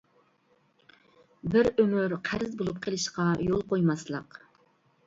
بىر ئۆمۈر قەرز بولۇپ قېلىشقا يول قويماسلىق.